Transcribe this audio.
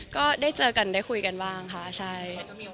ก็ได้เจอกันได้คุยกันบ้างค่ะใช่